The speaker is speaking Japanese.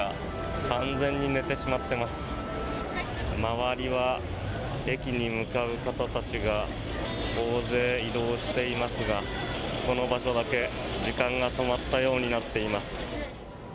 周りは駅に向かう方たちが大勢移動していますがこの場所だけ、時間が止まったようになっています。